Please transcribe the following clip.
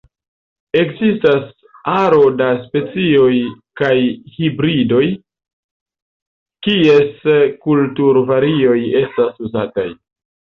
Ekzistas aro da specioj kaj hibridoj, kies kulturvarioj estas uzataj.